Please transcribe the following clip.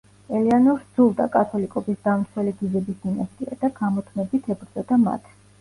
ელეანორს სძულდა კათოლიკობის დამცველი გიზების დინასტია და გამუდმებით ებრძოდა მათ.